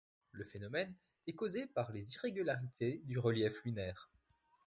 Le phénomène est causé par les irrégularités du relief lunaire.